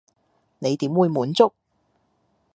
你點會滿足？